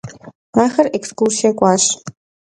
Axer ekskursiê k'uaş.